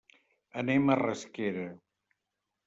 Anem a Rasquera.